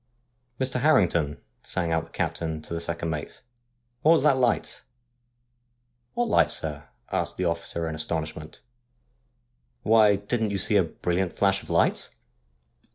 ' Mr. Harrington,' sang out the captain to the second mate, ' what was that light ?'' What light, sir ?' asked the officer in astonishment. ' Why, didn't you see a brilliant flash of light